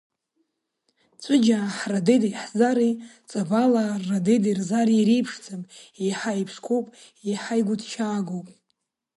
Ҵәыџьаа ҳрадедеи ҳзари ҵабалаа ррадедеи рзари иреиԥшӡам еиҳа иԥшқоуп, еиҳа игәыҭшьаагоуп.